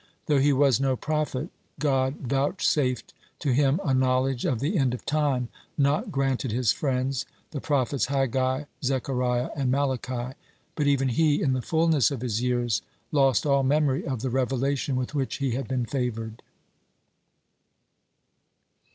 (17) Though he was no prophet, God vouchsafed to him a knowledge of the "end of time" not granted his friends, the prophets Haggai, Zechariah, and Malachi, (18) but even he, in the fulness of his years, lost all memory of the revelation with which he had been favored.